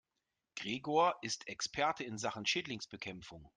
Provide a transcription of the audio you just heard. Gregor ist Experte in Sachen Schädlingsbekämpfung.